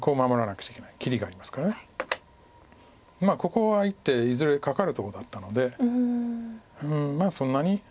ここは１手いずれかかるとこだったのでうんそんなに。